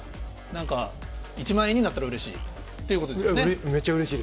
１万円になったらうれしいということですよね。